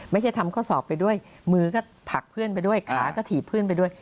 ไม่ใช่ทำข้อสอบไปด้วยมือก็ผลักเพื่อนไปด้วยขาก็ถีบเพื่อนไปด้วย